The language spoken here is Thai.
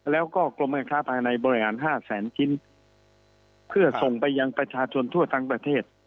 แล้วก็กรมการค้าภายในบริหารห้าแสนชิ้นเพื่อส่งไปยังประชาชนทั่วทั้งประเทศ